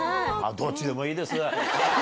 どっちでもいいです。